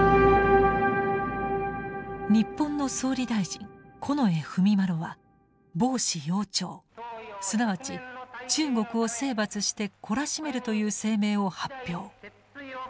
日本の総理大臣近衛文麿は暴支膺懲すなわち中国を征伐して懲らしめるという声明を発表。